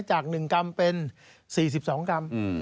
จาก๑กรัมเป็น๔๒กรัม